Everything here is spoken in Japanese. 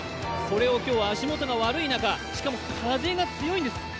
それを今日は足元が悪い中、しかも風が強いんです。